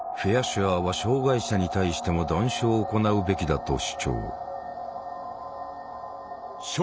シュアーは障害者に対しても断種を行うべきだと主張。